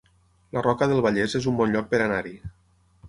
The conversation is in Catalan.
La Roca del Vallès es un bon lloc per anar-hi